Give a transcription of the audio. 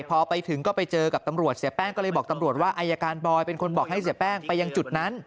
พอไปถึงก็ไปเจอกับตำรวจเสียแป้งก็เลยบอกตำรวจว่าอายการบอยเป็นคนบอกให้เสียแป้งไปยังจุดนั้น